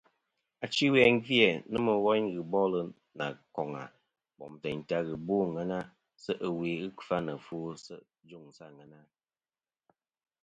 Achi ɨwe gvi-æ nomɨ woyn ghɨ bol nà koŋa bom teyn ta ghɨ bo àŋena se' ɨwe kfa nɨ ɨfwo ɨ juŋ sɨ àŋena.